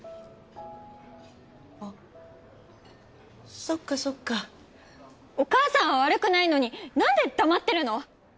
あそっかそっかお母さんは悪くないのになんで黙ってるの！？